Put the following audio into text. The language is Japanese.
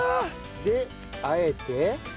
で和えて。